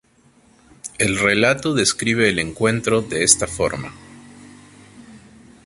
El relato describe el encuentro de esta forma,